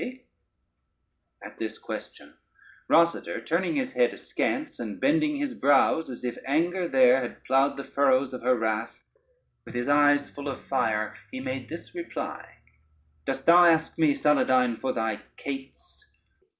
_] At this question Rosader, turning his head askance, and bending his brows as if anger there had ploughed the furrows of her wrath, with his eyes full of fire, he made this reply: "Dost thou ask me, Saladyne, for thy cates?